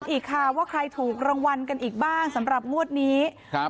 อีกค่ะว่าใครถูกรางวัลกันอีกบ้างสำหรับงวดนี้ครับ